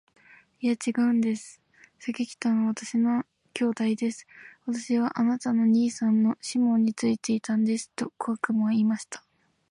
「いや、ちがうんです。先来たのは私の兄弟です。私はあなたの兄さんのシモンについていたんです。」と小悪魔は言いました。